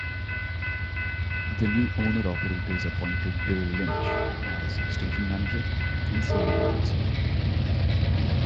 The new owner-operators appointed Bill Lynch as station manager and senior announcer.